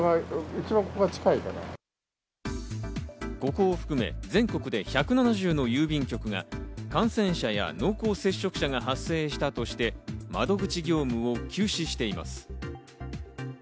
ここを含め、全国で１７０の郵便局が感染者や濃厚接触者が発生したとして、窓口業務を休止しています。